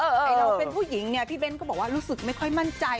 แต่เราเป็นผู้หญิงเนี่ยพี่เบ้นก็บอกว่ารู้สึกไม่ค่อยมั่นใจ